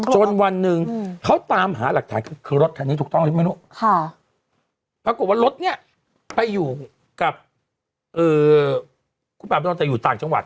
จนวันหนึ่งเขาตามหาหลักฐานคือรถคันนี้ถูกต้องใช่ไหมลูกปรากฏว่ารถเนี่ยไปอยู่กับคุณปราบดอนแต่อยู่ต่างจังหวัด